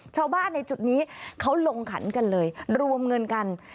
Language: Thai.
ชาวบ้านในจุดนี้เขาลงขันกันเลยรวมเงินกัน